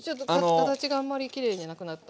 形があんまりきれいじゃなくなった。